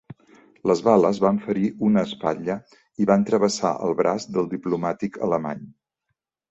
Les bales van ferir una espatlla i van travessar el braç del diplomàtic alemany.